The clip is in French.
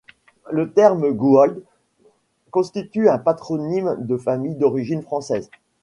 Le terme Gouault constitue un patronyme de famille d’origine française.